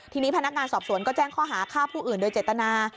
ทีนี้พนักงานสอบสวนก็แจ้งข้อหาฆ่าผู้อื่นโดยเจตนา